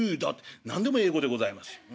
何でも英語でございますよ。